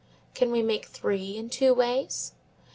Can we make three in two ways?